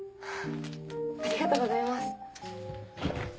ありがとうございます。